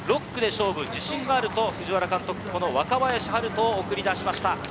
６区で勝負、自信があると藤原監督、若林陽大を送り出しました。